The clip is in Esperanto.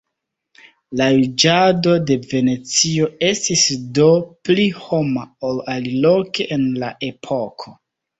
La juĝado de Venecio estis do pli homa ol aliloke en la epoko.